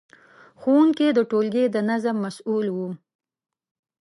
ښوونکي د ټولګي د نظم مسؤل وو.